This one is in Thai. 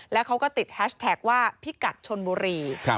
แล้วเขาก็ติดแฮชแท็กว่าพิกัดชนบุรี